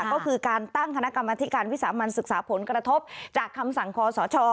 ก็คือการตั้งคณะกรรมธิการวิสามันศึกษาผลกระทบจากคำสั่งคอสช